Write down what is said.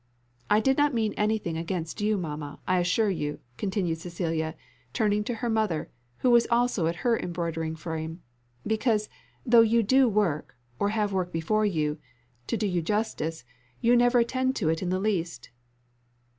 I did not mean anything against you mamma, I assure you," continued Cecilia, turning to her mother, who was also at her embroidering frame, "because, though you do work, or have work before you, to do you justice, you never attend to it in the least."